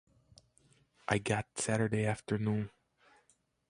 I got Saturday afternoon.